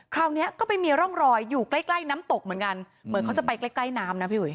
คราวนี้ก็ไปมีร่องรอยอยู่ใกล้ใกล้น้ำตกเหมือนกันเหมือนเขาจะไปใกล้ใกล้น้ำนะพี่อุ๋